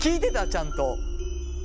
ちゃんと。